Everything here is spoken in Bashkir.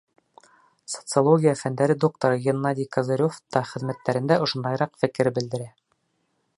Социология фәндәре докторы Геннадий Козырев та хеҙмәттәрендә ошондайыраҡ фекер белдерә.